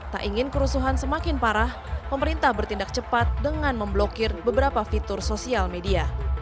tak ingin kerusuhan semakin parah pemerintah bertindak cepat dengan memblokir beberapa fitur sosial media